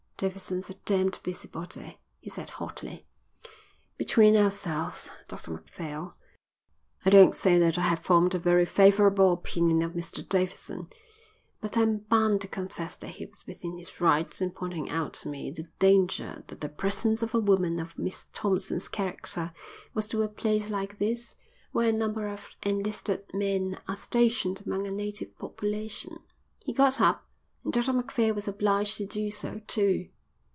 "Davidson's a damned busybody," he said hotly. "Between ourselves, Dr Macphail, I don't say that I have formed a very favourable opinion of Mr Davidson, but I am bound to confess that he was within his rights in pointing out to me the danger that the presence of a woman of Miss Thompson's character was to a place like this where a number of enlisted men are stationed among a native population." He got up and Dr Macphail was obliged to do so too.